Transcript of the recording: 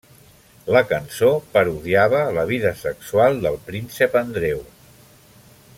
La cançó parodiava la vida sexual del Príncep Andreu.